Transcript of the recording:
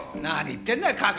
何言ってんだよ。